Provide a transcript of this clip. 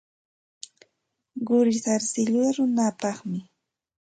Quri sarsilluta ruranapaqmi.